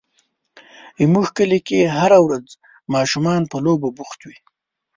زموږ کلي کې هره ورځ ماشومان په لوبو بوخت وي.